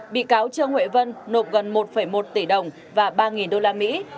bị cáo trương huệ vân nộp gần một một tỷ đồng và ba đô la mỹ